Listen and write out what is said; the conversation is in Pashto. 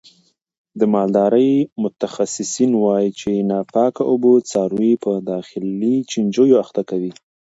د مالدارۍ متخصصین وایي چې ناپاکه اوبه څاروي په داخلي چنجیو اخته کوي.